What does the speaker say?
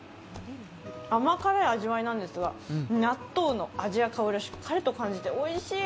甘辛い味わいなんですが納豆の味や香りはしっかりと感じておいしい！